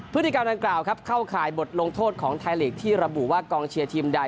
พฤติกรรมดังกล่าวครับเข้าข่ายบทลงโทษของไทยลีกที่ระบุว่ากองเชียร์ทีมใด